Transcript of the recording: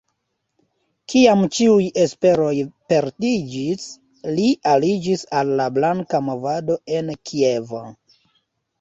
Kiam ĉiuj esperoj perdiĝis, li aliĝis al la Blanka movado en Kievo.